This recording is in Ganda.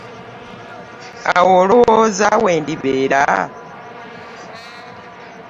Awo olowooza we ndibeera?